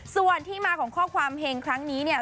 ส่วนที่มาของข้อความเฮงครั้งนี้เนี่ย